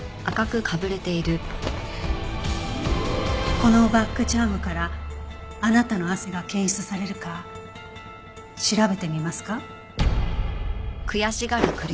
このバッグチャームからあなたの汗が検出されるか調べてみますか？